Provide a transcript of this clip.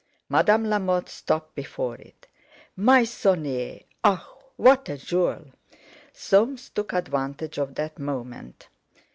Madame Lamotte stopped before it. "Meissonier! Ah! What a jewel!" Soames took advantage of that moment.